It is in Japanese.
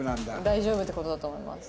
大丈夫って事だと思います。